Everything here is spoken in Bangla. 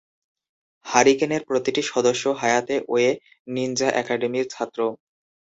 হারিকেনের প্রতিটি সদস্য হায়াতে ওয়ে নিনজা একাডেমির ছাত্র।